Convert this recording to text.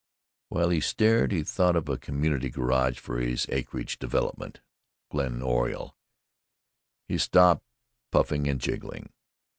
While he stared he thought of a community garage for his acreage development, Glen Oriole. He stopped puffing and jiggling.